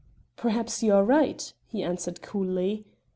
"Perhaps you are right," he answered coolly.